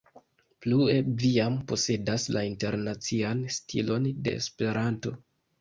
Plue vi jam posedas la internacian stilon de esperanto.